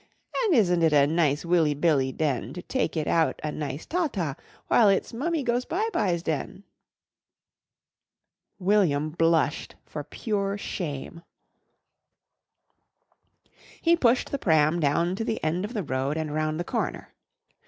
And isn't it a nice Willy Billy den, to take it out a nice ta ta, while it's mummy goes bye byes, den?" William blushed for pure shame. He pushed the pram down to the end of the road and round the corner.